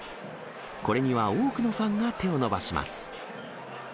これには多くのファンが手を伸ばします。